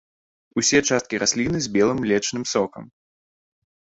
Усе часткі расліны з белым млечным сокам.